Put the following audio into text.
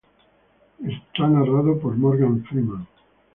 Es narrado por Morgan Freeman.